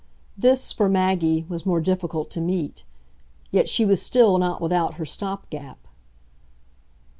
This, for Maggie, was more difficult to meet; yet she was still not without her stop gap.